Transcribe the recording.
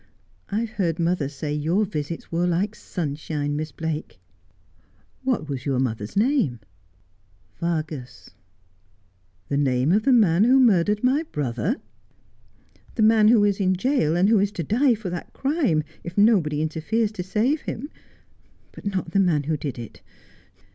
I've heard mother say your visits were like sunshine, Miss Blake.' ' What was your mother's name ]'' Vargas.' ' The name of the man who murdered my brother.' ' The man who is in gaol, and who is to die for that crime if nobody interferes to save him ; but not the man who did it.